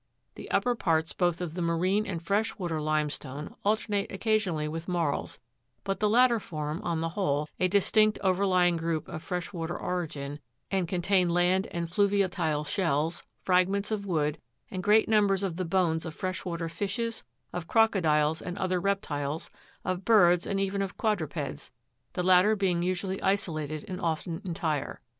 The upper parts both of the marine and fresh water lime stone alternate occasionally with marls ; but the latter form, on the whole, a distinct overlying group of fresh water origin, and contain land and fluviatile shells, fragments of wood, and great numbers of the bones of fresh water fishes, of crocodiles, and other reptiles, of birds, and even of quadrupeds, the latter being usually isolated and often entire.